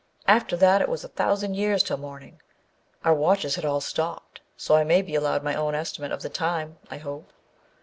After that it was a thousand years till morning. Our watches had all stopped, so I may be allowed my own estimate of the time, I hope.